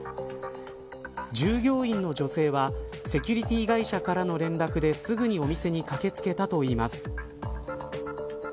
従業員の女性はセキュリティー会社からの連絡ですぐにお店に駆け付けたといいます。